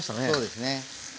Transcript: そうですね。